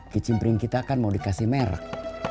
kicimpring kita kan mau dikasih merek